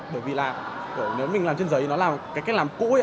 bởi vì là nếu mình làm trên giấy nó là cái cách làm cũ